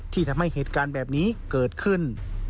ที่ทำให้เหตุการณ์แบบนี้เกิดขึ้น